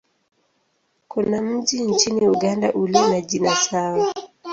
Kuna mji nchini Uganda ulio na jina sawa.